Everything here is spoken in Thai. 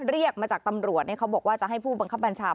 เรียกมาจากตำรวจเขาบอกว่าจะให้ผู้บังคับบัญชา